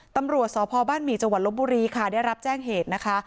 ตำรวจสพบ้านหมี่จังหวัดลบบุรีค่ะได้รับแจ้งเหตุนะคะ